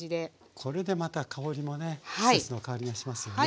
これでまた香りもね季節の香りがしますよね。